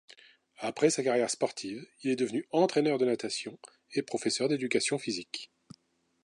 Après sa carrière sportive, il est devenu entraîneur de natation et professeur d'éducation physique.